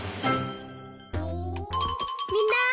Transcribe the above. みんな！